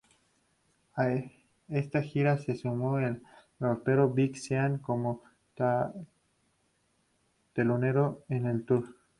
A esta gira se sumó el rapero Big Sean como telonero en el tour.